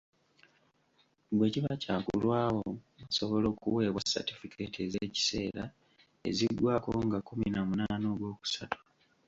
Bwekiba kyakulwawo musobola okuweebwa Ssatifeeketi ez'ekiseera eziggwako nga kkumi na munaana ogwookusatu.